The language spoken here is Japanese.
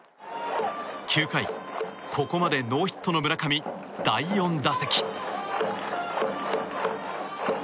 ９回、ここまでノーヒットの村上の第４打席。